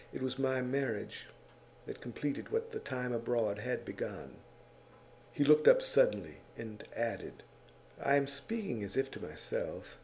It was my marriage that completed what the time abroad had begun.' He looked up suddenly, and added: 'I am speaking as if to myself.